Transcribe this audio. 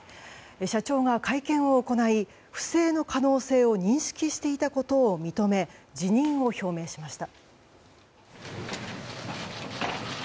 社長が会見を行い不正の可能性を認識していたことを認め辞任を表明しました。